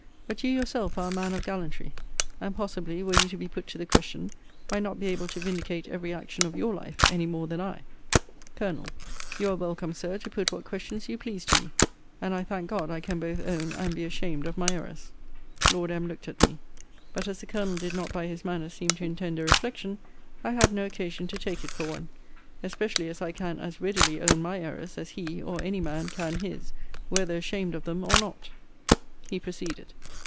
But you yourself are a man of gallantry; and, possibly, were you to be put to the question, might not be able to vindicate every action of your life, any more than I. Col. You are welcome, Sir, to put what questions you please to me. And, I thank God, I can both own and be ashamed of my errors. Lord M. looked at me; but as the Colonel did not by his manner seem to intend a reflection, I had no occasion to take it for one; especially as I can as readily own my errors, as he, or any man, can his, whether ashamed of them or not. He proceeded.